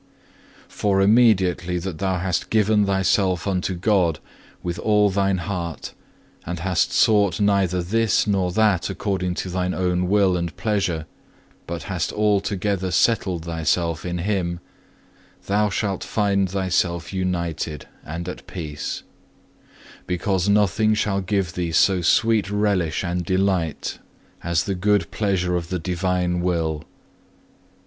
3. For immediately that thou hast given thyself unto God with all thine heart, and hast sought neither this nor that according to thine own will and pleasure, but hast altogether settled thyself in Him, thou shalt find thyself united and at peace; because nothing shall give thee so sweet relish and delight, as the good pleasure of the Divine will.